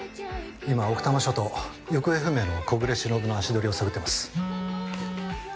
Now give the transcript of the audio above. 今奥多摩署と行方不明の小暮しのぶの足取りを探ってます。